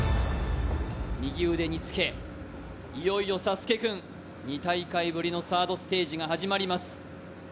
右腕につけ、いよいよサスケくん２大会ぶりのサードステージが始まります。